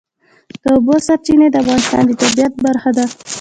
د اوبو سرچینې د افغانستان د طبیعت برخه ده.